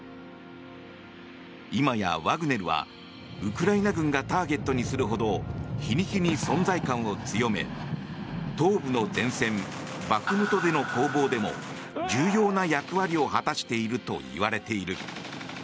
今やワグネルはウクライナ軍がターゲットにするほど日に日に存在感を強め東部の前線バフムトでの攻防でも重要な役割を果たしているといわれている。